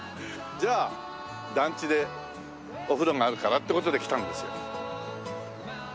じゃあ団地でお風呂があるからって事で来たんですよ。